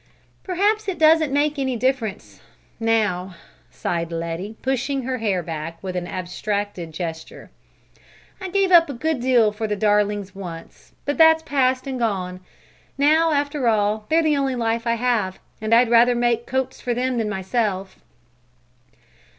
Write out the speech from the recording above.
"Perhaps it doesn't make any difference now!" sighed Letty, pushing back her hair with an abstracted gesture. "I gave up a good deal for the darlings once, but that's past and gone. Now, after all, they're the only life I have, and I'd rather make coats for them than for myself."